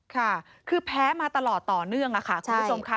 ค่ะคือแพ้มาตลอดต่อเนื่องค่ะคุณผู้ชมค่ะ